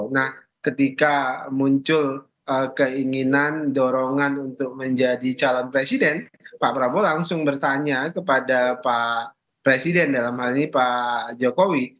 nah ketika muncul keinginan dorongan untuk menjadi calon presiden pak prabowo langsung bertanya kepada pak presiden dalam hal ini pak jokowi